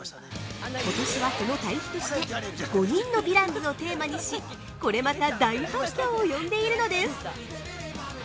ことしはその対比として「５人のヴィランズ」をテーマにし、これまた大反響を呼んでいるのです。